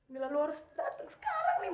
mila lu harus dateng sekarang nih